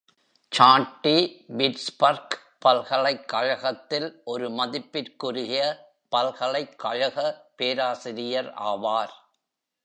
சாட்டி, பிட்ஸ்பர்க் பல்கலைக்கழகத்தில் ஒரு மதிப்பிற்குரிய பல்கலைக்கழக பேராசிரியர் ஆவார்.